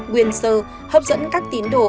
quyền sơ hấp dẫn các tín đồ